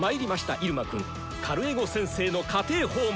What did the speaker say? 入間くん」「カルエゴ先生の家庭訪問」。